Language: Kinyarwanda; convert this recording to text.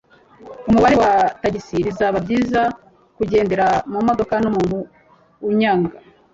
umubare wa tagisi bizaba byiza kugendera mumodoka numuntu unyanga